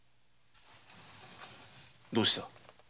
どうした？